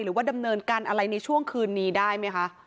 หรือว่าดำเนินการอะไรในช่วงคืนนี้ได้ไหมคะ